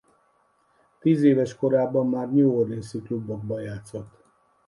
Tíz éves korában már New Orleans-i klubokban játszott.